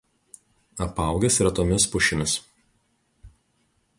Apaugęs retomis pušimis.